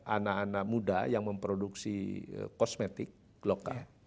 anak anak muda yang memproduksi kosmetik lokal